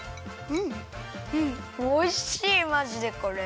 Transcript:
うんおいしいまじでこれ！